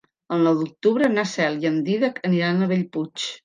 El nou d'octubre na Cel i en Dídac aniran a Bellpuig.